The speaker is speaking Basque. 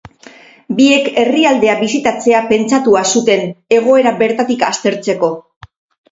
Biek herrialdea bisitatzea pentsatua zuten, egoera bertatik aztertzeko.